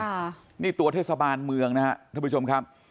ทางนี้ตัวเทศบาลเมืองนะนะครับ